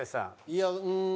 いやうーん。